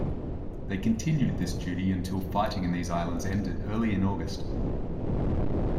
They continued this duty until fighting in these islands ended early in August.